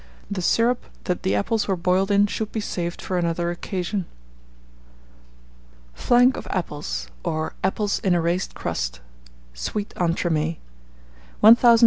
The syrup that the apples were boiled in should be saved for another occasion. FLANC OF APPLES, or APPLES IN A RAISED CRUST. (Sweet Entremets.) 1391.